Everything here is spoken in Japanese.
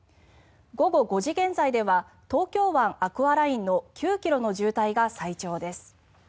午後５時現在では東京湾アクアラインの９ｋｍの渋滞が最長です。